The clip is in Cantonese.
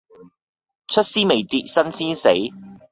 出師未捷身先死